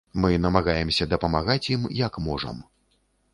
Мы намагаемся дапамагаць ім як можам.